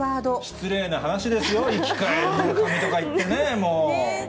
失礼な話ですよ、生き返れ村上とか言ってね、もう。